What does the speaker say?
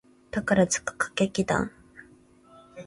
宝塚歌劇団